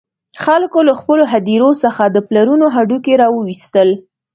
خلکو له خپلو هدیرو څخه د پلرونو هډوکي را وویستل.